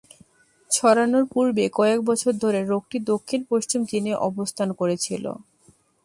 ছড়ানোর পূর্বে কয়েক বছর ধরে রোগটি দক্ষিণ-পশ্চিম চীনে অবস্থান করেছিল।